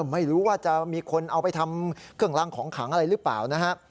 ไม่รู้ว่าจะมีคนเอาไปทำเครื่องรางของขังอะไรหรือเปล่านะฮะ